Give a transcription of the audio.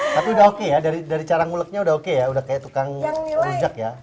tapi udah oke ya dari cara nguleknya udah oke ya udah kayak tukang rujak ya